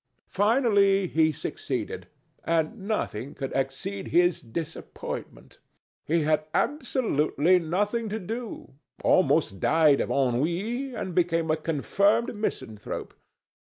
Finally he succeeded, and nothing could exceed his disappointment. He had absolutely nothing to do, almost died of ennui, and became a confirmed misanthrope.